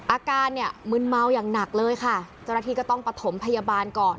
อาการเนี่ยมึนเมาอย่างหนักเลยค่ะเจ้าหน้าที่ก็ต้องประถมพยาบาลก่อน